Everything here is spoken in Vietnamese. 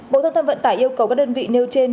bộ giao thông vận tải yêu cầu các đơn vị nêu trên